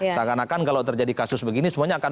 seakan akan kalau terjadi kasus begini semuanya akan